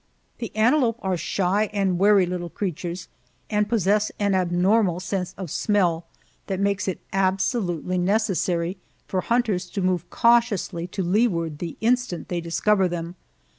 The antelope are shy and wary little creatures, and possess an abnormal sense of smell that makes it absolutely necessary for hunters to move cautiously to leeward the instant they discover them.